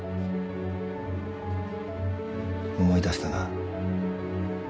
思い出したな。